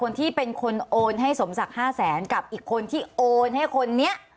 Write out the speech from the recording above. คนที่เป็นคนโอนให้สมศักดิ์๕แสนกับอีกคนที่โอนให้คนนี้